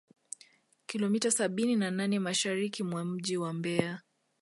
kilomita sabini na nane Mashariki mwa mji wa Mbeya